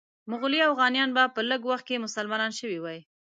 مغولي اوغانیان به په لږ وخت کې مسلمانان شوي وي.